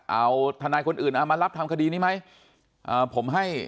เอาทนายคนอื่นเอามารับทำคดีนี้ไหมอ่าผมให้